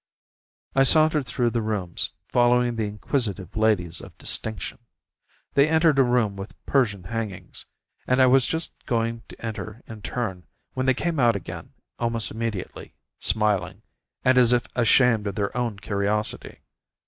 I sauntered through the rooms, following the inquisitive ladies of distinction. They entered a room with Persian hangings, and I was just going to enter in turn, when they came out again almost immediately, smiling, and as if ashamed of their own curiosity.